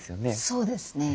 そうですね。